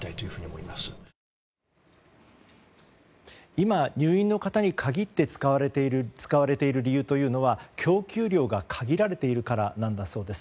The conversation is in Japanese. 今、入院の方に限って使われている理由というのは供給量が限られているからなんだそうです。